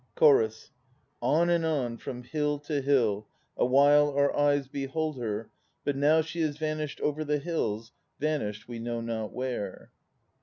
..." CHORUS. On and on, from hill to hill. Awhile our eyes behold her, but now She is vanished over the hills, Vanished we know not where.